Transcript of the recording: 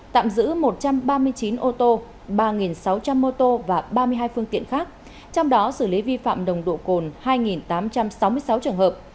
tạm giữ một trăm ba mươi chín ô tô ba sáu trăm linh mô tô và ba mươi hai phương tiện khác trong đó xử lý vi phạm nồng độ cồn hai tám trăm sáu mươi sáu trường hợp